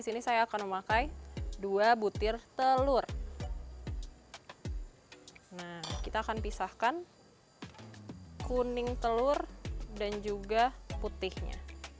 sini saya akan memakai dua butir telur nah kita akan pisahkan kuning telur dan juga putihnya